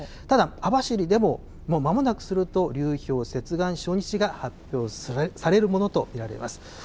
ただ、網走でももうまもなくすると、流氷接岸初日が発表されるものと見られます。